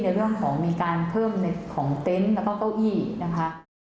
ในเรื่องของมีการเพิ่มในของเต็นต์แล้วก็เก้าอี้นะคะ